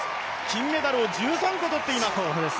金メダルを１３個取っています。